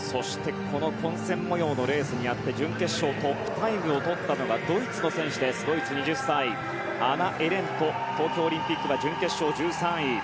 そして、この混戦模様のレースになって準決勝トップタイムをとったのがドイツの選手、２０歳のアナ・エレント東京オリンピックは準決勝１３位。